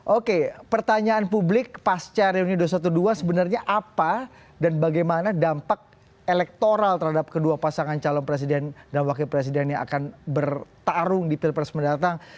oke pertanyaan publik pasca reuni dua ratus dua belas sebenarnya apa dan bagaimana dampak elektoral terhadap kedua pasangan calon presiden dan wakil presiden yang akan bertarung di pilpres mendatang